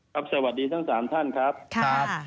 ครับสวัสดีทั้ง๓ท่านครับ